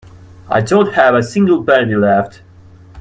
I don't have a single penny left.